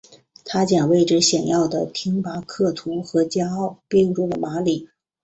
他将位置显要的廷巴克图和加奥并入了马里。